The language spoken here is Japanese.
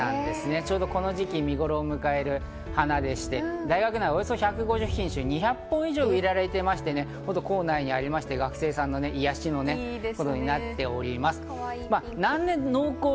ちょうどこの時期に見頃を迎える花でして、大学内およそ１５０品種、２００本以上植えられていまして、構内にありまして学生さんの癒やしになっております。